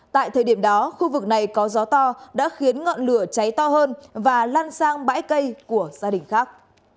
tại thời điểm đó khu vực này có gió to đã khiến ngọn lửa cháy to hơn và lan sang bãi cây của gia đình khác